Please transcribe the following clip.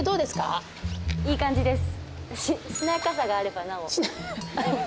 あいい感じです。